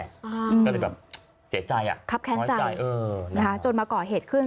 ก็เลยแบบเสียใจอ่ะครับแค้นใจเออนะคะจนมาก่อเหตุขึ้น